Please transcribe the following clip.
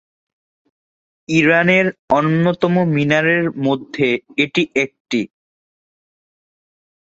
ইরানের অন্যতম মিনারের মধ্যে এটি একটি।